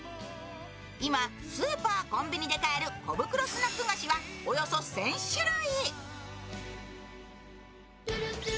今、スーパー・コンビニで買える小袋スナック菓子がおよそ１０００種類。